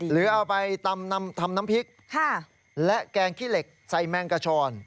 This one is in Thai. หรือเอาไปตำน้ำพริกและแกงขี้เหล็กใส่แมงกระชอน